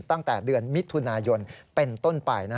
ตั้งแต่เดือนมิถุนายนเป็นต้นไป